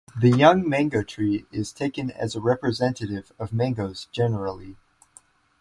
The young mango tree is taken as a representative of mangoes generally.